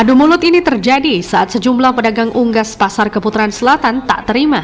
adu mulut ini terjadi saat sejumlah pedagang unggas pasar keputaran selatan tak terima